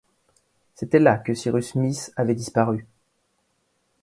C’était là que Cyrus Smith avait disparu.